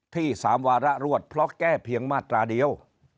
ที่๓วาระรวดเพราะแก้เพียงมาตราเดียว